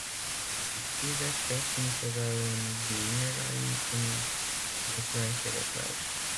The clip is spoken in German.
Die Tiere fressen vor allem die Innereien und das weichere Fleisch.